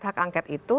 hak angket itu